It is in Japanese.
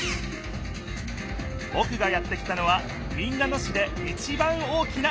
ぼくがやって来たのは民奈野市でいちばん大きなえき。